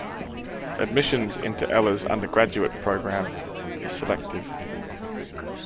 Admissions into Eller's undergraduate program is selective.